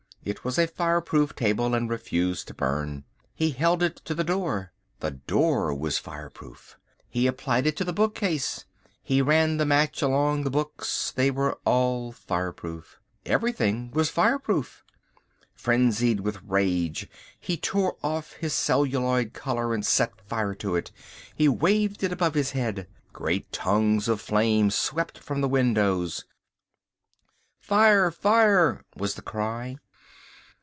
It was a fireproof table and refused to burn. He held it to the door. The door was fireproof. He applied it to the bookcase. He ran the match along the books. They were all fireproof. Everything was fireproof. Frenzied with rage, he tore off his celluloid collar and set fire to it. He waved it above his head. Great tongues of flame swept from the windows. "Fire! Fire!" was the cry.